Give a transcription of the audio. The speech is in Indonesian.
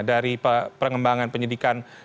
dari pengembangan penyidikan